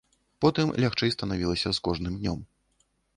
Потым лягчэй станавілася з кожным днём.